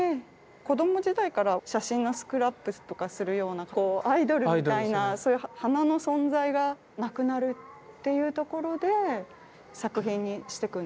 子ども時代から写真のスクラップとかするようなアイドルみたいなそういう花の存在が亡くなるっていうところで作品にしていくんですね。